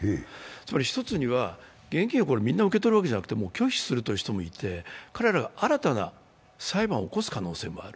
つまり、一つには現金をみんな受け取るわけじゃなくて、拒否する人もいて、彼らが新たな裁判を起こす可能性もある。